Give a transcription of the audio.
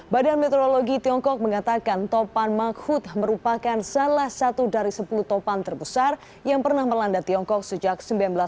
badan meteorologi tiongkok mengatakan topan maghut merupakan salah satu dari sepuluh topan terbesar yang pernah melanda tiongkok sejak seribu sembilan ratus delapan puluh